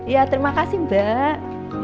ya terima kasih mbak